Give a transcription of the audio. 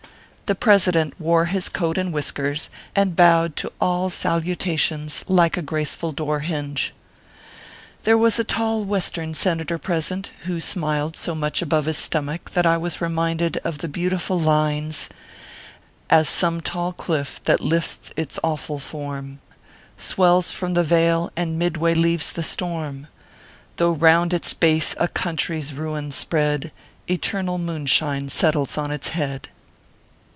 The President wore his coat and whiskers, and bowed to all salutations like a graceful door hinge. There was a tall Western Senator present, who smiled so much above his stomach, that I was re minded of the beautiful lines :* As some tall cliff that lifts its awful form, Swells from the vale, and midway leaves the storm ; Though round its base a country s ruin spread, Eternal moonshine settles on its head."